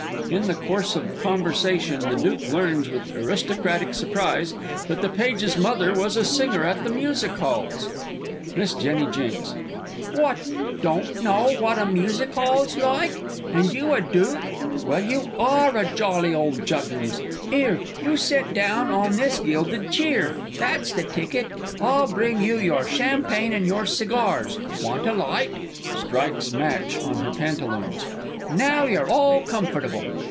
[In the course of conversation the Duke learns with aristocratic surprise, that the Page's Mother was a Singer at the Music Halls. Miss J. J. What, don't know what a Music 'all's like? and you a Dook! Well, you are a jolly old juggins! 'Ere, you sit down on this gilded cheer that's the ticket I'll bring you your champagne and your cigars want a light? (Strikes match on her pantaloons.) Now you're all comfortable.